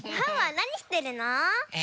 なにしてるの？え？